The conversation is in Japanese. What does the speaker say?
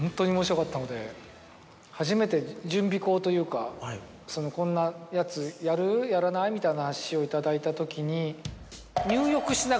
初めて準備稿というかこんなやつやる？やらない？みたいな話を頂いた時に。